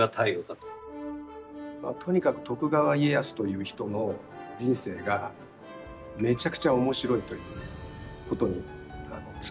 とにかく徳川家康という人の人生がめちゃくちゃ面白いということに尽きるんですけど。